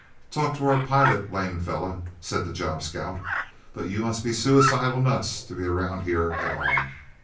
"Talk to our pilot, Lame Fella," said the job scout. "But you must be suicidal nuts to be around here at all."